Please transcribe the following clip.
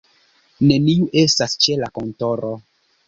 Neniu estas ĉe la kontoro.